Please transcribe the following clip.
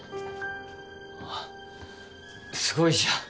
ああすごいじゃん。